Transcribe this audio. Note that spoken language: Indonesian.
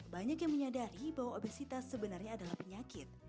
banyak yang menyadari bahwa obesitas sebenarnya adalah penyakit